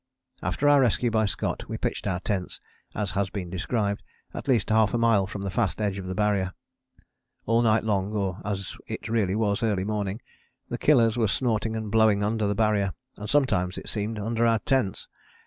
After our rescue by Scott we pitched our tents, as has been described, at least half a mile from the fast edge of the Barrier. All night long, or as it really was, early morning, the Killers were snorting and blowing under the Barrier, and sometimes, it seemed, under our tents.